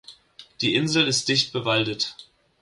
Die Insel ist dicht bewaldet.